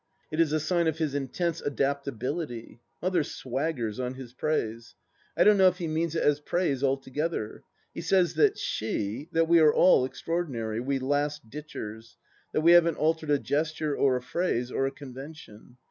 It is a sign of his intense adaptability. Mother swaggers on his praise. I don't know if he means it as praise altogether. He says that she — ^that we are all ex traordinary — ^we Last Ditchers ; that we haven't altered a gesture or a phrase or a convention.